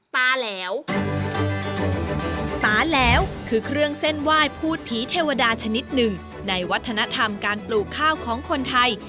ตาแล้วตาแล้วคือเครื่องเส้นไหว้พูดผีเทวดาชนิดหนึ่งในวัฒนธรรมการปลูกข้าวของคนไทย